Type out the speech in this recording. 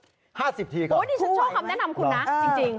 นี่ฉันชอบคำแนะนำคุณนะจริง